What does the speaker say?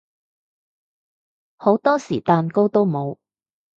好多時蛋糕都冇